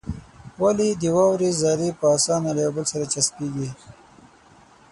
ولې د واورې ذرې په اسانه له يو بل سره چسپېږي؟